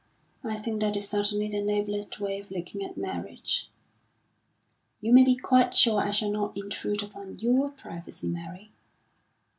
"I think that is certainly the noblest way of looking at marriage." "You may be quite sure I shall not intrude upon your privacy, Mary."